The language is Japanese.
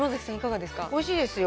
おいしいですよ。